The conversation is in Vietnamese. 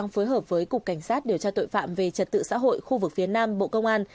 phối hợp với cục cảnh sát điều tra tội phạm về trật tự xã hội khu vực phía nam bộ công an